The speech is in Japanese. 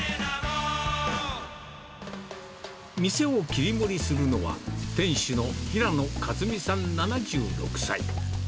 店を切り盛りするのは、店主の平野勝美さん７６歳。